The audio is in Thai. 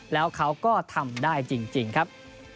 แล้วเขาก็ทำได้จริงครับ